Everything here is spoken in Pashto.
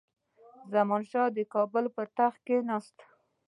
زمانشاه د کابل پر تخت کښېناست.